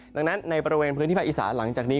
ดังนั้นในบริเวณพื้นที่ภาคอีสานหลังจากนี้